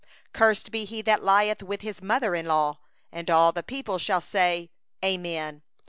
23Cursed be he that lieth with his mother in law. And all the people shall say: Amen.